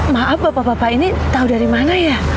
maaf bapak bapak ini tahu dari mana ya